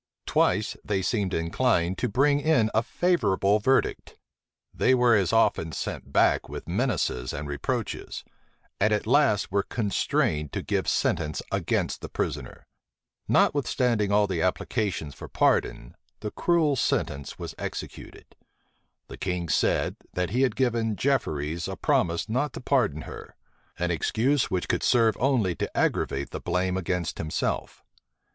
Twice they seemed inclined to bring in a favorable verdict: they were as often sent back with menaces and reproaches; and at last were constrained to give sentence against the prisoner. Notwithstanding all applications for pardon, the cruel sentence was executed. The king said, that he had given Jefferies a promise not to pardon her; an excuse which could serve only to aggravate the blame against himself.